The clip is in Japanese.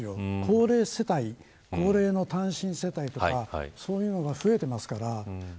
高齢世帯高齢の単身世帯とかそういうのが増えています。